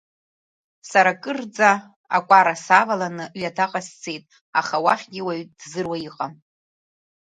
Сара акырӡа, акәара саваланы, ҩадаҟа сцеит, аха уахьгьы уаҩ дзыруа иҟам…